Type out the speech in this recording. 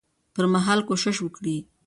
پر مهال کوشش وکړي